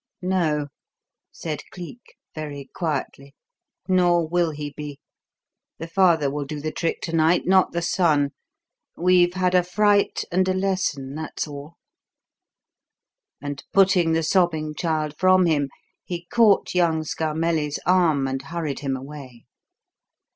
"No," said Cleek very quietly, "nor will he be. The father will do the trick to night, not the son. We've had a fright and a lesson, that's all." And, putting the sobbing child from him, he caught young Scarmelli's arm and hurried him away.